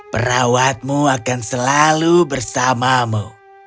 perawatmu akan selalu bersamamu